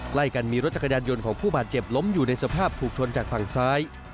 ใกล้กันมีรถจักรยานยนต์ของผู้บาดเจ็บล้มอยู่ในสภาพถูกชนจากฝั่งซ้าย